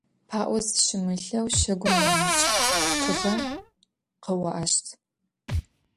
ПаӀо зыщымылъэу щагум уимыкӀ, тыгъэр къыоӀащт.